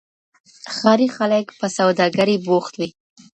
ښاري خلګ په سوداګرۍ بوخت وي.